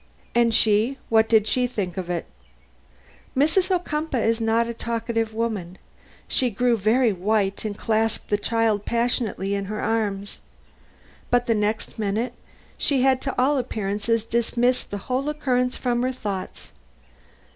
"And she? What did she think of it?" "Mrs. Ocumpaugh is not a talkative woman. She grew very white and clasped the child passionately in her arms. But the next minute she had to all appearance dismissed the whole occurrence from her thoughts.